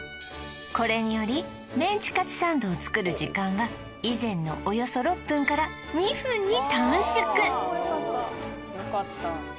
これによりメンチカツサンドを作る時間が以前のおよそ６分から２分に短縮